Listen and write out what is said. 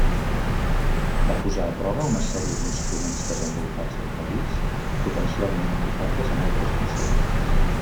Va posar a prova una sèrie d'instruments desenvolupats al país, potencialment aplicables en altres Missions.